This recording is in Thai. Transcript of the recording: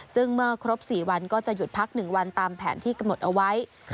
ซึ่งเมื่อครบ๔วันก็จะหยุดพัก๑วันตามแผนที่กำหนดเอาไว้